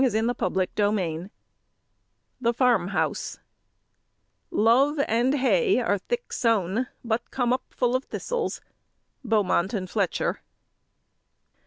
[Illustration: The Farm House] THE FARM HOUSE Love and hay Are thick sown, but come up full of thistles. BEAUMONT AND FLETCHER.